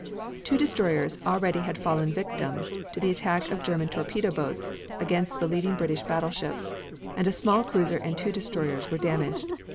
Two destroyers already had fallen victims to the attack of German torpedo boats against the leading British battleships and a small cruiser and two destroyers were damaged.